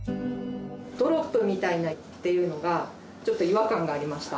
「ドロップみたいな」っていうのがちょっと違和感がありました。